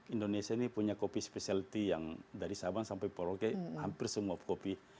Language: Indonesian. indonesia ini punya kopi spesialty yang dari sabang sampai merauke hampir semua kopi